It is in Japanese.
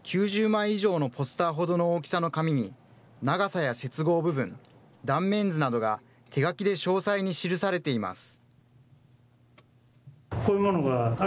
９０枚以上のポスターほどの大きさの紙に、長さや接合部分、断面図などが手書きで詳細に記されています。